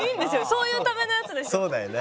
そういうためのやつですよ。